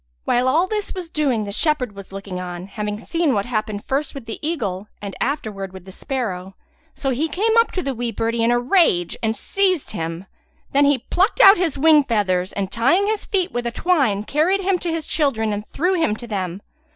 While all this was doing the shepherd was looking on, having seen what happened first with the eagle and afterwards with the sparrow; so he came up to the wee birdie in a rage and seized him. Then he plucked out his wing feathers and, tying his feet with a twine, carried him to his children and threw him to them.